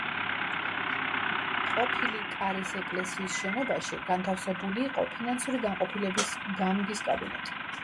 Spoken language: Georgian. ყოფილი კარის ეკლესიის შენობაში განთავსებული იყო ფინანსური განყოფილების გამგის კაბინეტი.